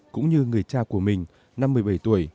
cũng như người cha của mình năm một mươi bảy tuổi